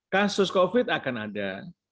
kasus covid akan ada